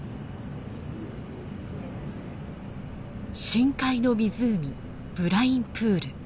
深海の湖ブラインプール。